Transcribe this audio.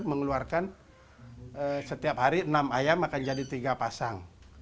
mengeluarkan setiap hari enam ayam akan jadi tiga pasang